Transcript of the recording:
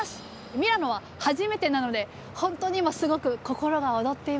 ミラノは初めてなので本当に今すごく心が躍っています。